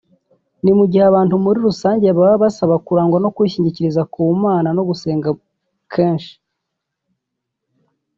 mu gihe abantu muri rusange bubasaba kurangwa no kwishingikiriza ku mana no gusenga kenshi